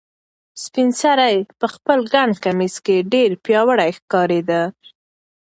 سپین سرې په خپل ګڼ کمیس کې ډېره پیاوړې ښکارېده.